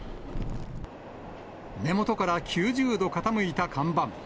根元から９０度傾いた看板。